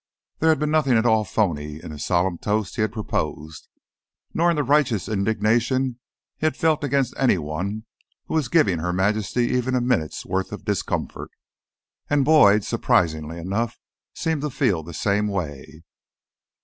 There had been nothing at all phony in the solemn toast he had proposed, nor in the righteous indignation he had felt against anyone who was giving Her Majesty even a minute's worth of discomfort. And Boyd, surprisingly enough, seemed to feel the same way.